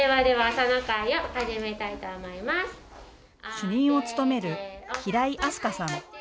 主任を務める平井明日香さん。